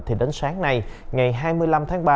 thì đến sáng nay ngày hai mươi năm tháng ba